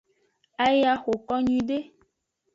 Aya xoko nyuiede.